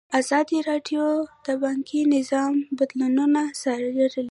ازادي راډیو د بانکي نظام بدلونونه څارلي.